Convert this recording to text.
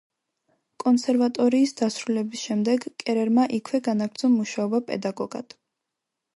კონსერვატორიის დასრულების შემდეგ კერერმა იქვე განაგრძო მუშაობა პედაგოგად.